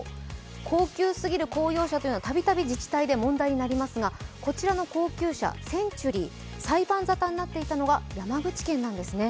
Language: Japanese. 高級すぎる公用車というのはたびたび自治体で問題になりますが、こちらの高級車・センチュリー、裁判ざたとなっていたのが山口県なんですね。